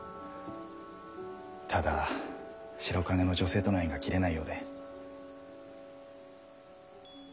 ただ白金の女性との縁が切れないようで。